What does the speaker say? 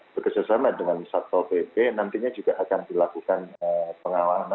bekerjasama dengan satpol pp nantinya juga akan dilakukan pengawasan